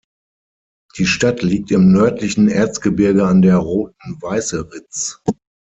Die Stadt liegt im nördlichen Erzgebirge an der Roten Weißeritz.